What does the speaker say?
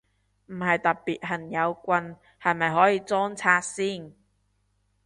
唔係特別恨有棍，係咪可以裝拆先？